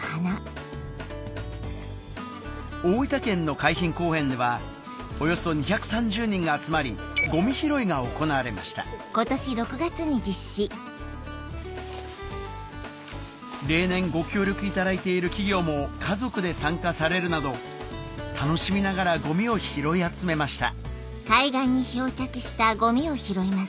大分県の海浜公園ではおよそ２３０人が集まりゴミ拾いが行われました例年ご協力いただいている企業も家族で参加されるなど楽しみながらゴミを拾い集めました